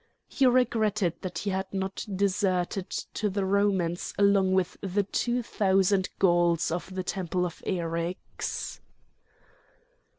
He regretted that he had not deserted to the Romans along with the two thousand Gauls of the temple of Eryx.